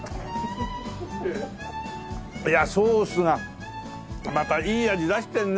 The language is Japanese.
いやソースがまたいい味出してるね。